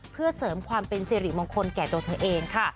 เพื่อเสริมความเป็นสิริมงคลแก่ตัวเธอเองค่ะ